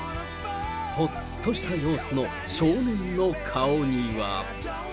ほっとした様子の少年の顔には。